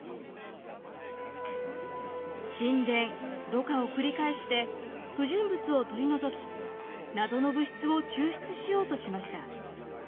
沈殿ろ過を繰り返して不純物を取り除き謎の物質を抽出しようとしました。